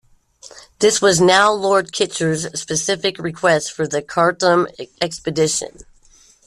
This was now at Lord Kitchener's specific request, for the Khartoum expedition.